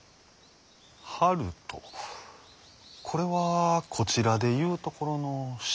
ハルトこれはこちらで言うところの「しん」か。